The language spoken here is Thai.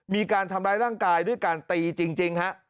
มีการถังลัยร่างกายด้วยการตีจริงจริงฮะ